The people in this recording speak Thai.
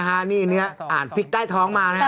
อ่านฟิกใต้ท้องมาเนี่ย